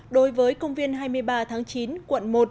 đối với công viên hai mươi ba tháng chín quận một